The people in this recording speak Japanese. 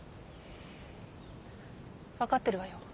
分かってるわよ。